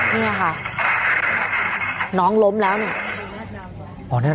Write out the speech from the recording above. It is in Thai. เนี่ยค่ะน้องล้มแล้วเนี่ย